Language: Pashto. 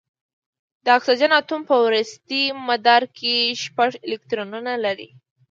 د اکسیجن اتوم په وروستي مدار کې شپږ الکترونونه لري.